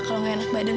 kalo gak enak badan